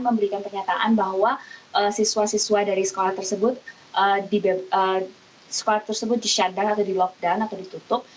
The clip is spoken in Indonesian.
memberikan pernyataan bahwa siswa siswa dari sekolah tersebut disyadar atau dilockdown atau ditutup